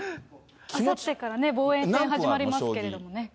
あさってから防衛戦が始まりますけれどもね。